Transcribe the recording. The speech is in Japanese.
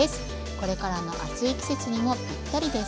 これからの暑い季節にもぴったりです。